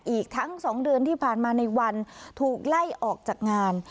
อีกทั้ง๒เดือนที่ผ่านมาในวันถูกไล่ออกจากงาน